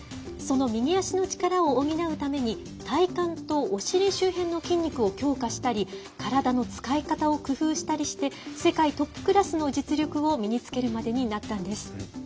その右足の力を補うために体幹とお尻周辺の筋肉を強化したり体の使い方を工夫したりして世界トップクラスの実力を身につけるまでになったんです。